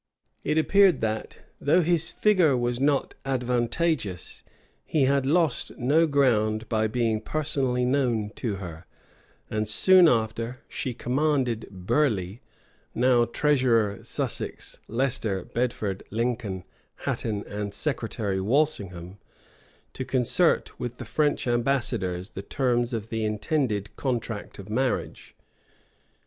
It appeared that, though his figure; was not advantageous, he had lost no ground by being personally known to her; and soon after, she commanded Burleigh, now treasurer, Sussex, Leicester, Bedford, Lincoln, Hatton, and Secretary Walsingham, to concert with the French ambassadors the terms of the intended contract of marriage.